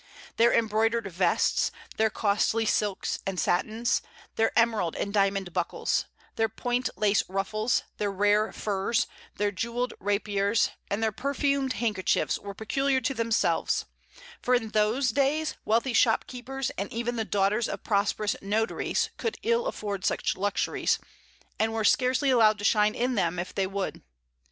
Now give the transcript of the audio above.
Their embroidered vests, their costly silks and satins, their emerald and diamond buckles, their point lace ruffles, their rare furs, their jewelled rapiers, and their perfumed handkerchiefs were peculiar to themselves, for in those days wealthy shopkeepers, and even the daughters of prosperous notaries, could ill afford such luxuries, and were scarcely allowed to shine in them if they would.